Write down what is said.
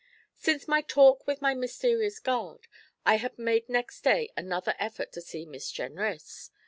Since my talk with my mysterious guard, I had made next day another effort to see Miss Jenrys.